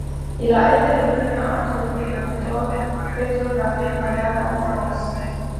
Il a été le premier à introduire les méthodes pétrographiques modernes en France.